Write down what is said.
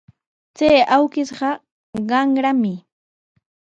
Chay awkishqa qaprami.